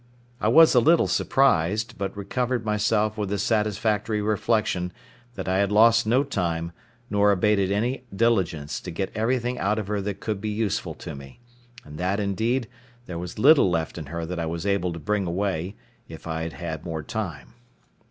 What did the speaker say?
I was a little surprised, but recovered myself with the satisfactory reflection that I had lost no time, nor abated any diligence, to get everything out of her that could be useful to me; and that, indeed, there was little left in her that I was able to bring away, if I had had more time.